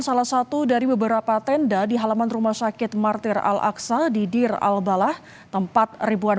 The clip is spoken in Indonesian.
salah satu dari beberapa tenda di halaman rumah sakit martir al aqsa di dir al balah tempat ribuan